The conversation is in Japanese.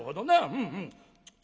うんうん。